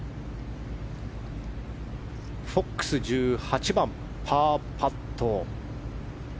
フォックス１８番、パーパット。